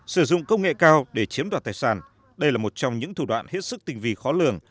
sử dụng công nghệ cao để chiếm đoạt tài sản đây là một trong những thủ đoạn hết sức tình vi khó lường